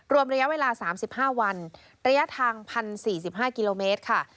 รวมระยะเวลา๓๕วันระยะทาง๑๐๔๕กิโลเมตรค่ะ